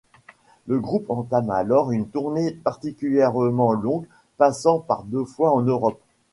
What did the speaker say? Le groupe entame alors une tournée particulièrement longue, passant par deux fois en Europe.